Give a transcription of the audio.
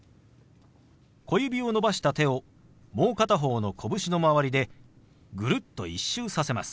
小指を伸ばした手をもう片方の拳の周りでぐるっと１周させます。